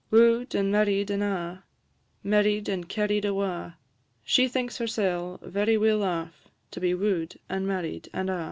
Woo'd, and married, and a', Married and carried awa'; She thinks hersel' very weel aff, To be woo'd, and married, and a'.